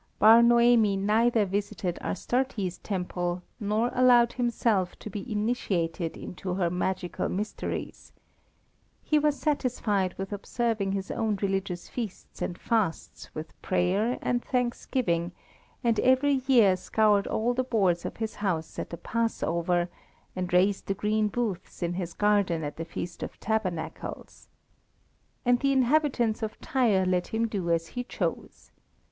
Bar Noemi neither visited Astarte's temple, nor allowed himself to be initiated into her magical mysteries. He was satisfied with observing his own religious feasts and fasts with prayer and thanksgiving, and every year scoured all the boards of his house at the Passover, and raised the green booths in his garden at the Feast of Tabernacles. And the inhabitants of Tyre let him do as he chose.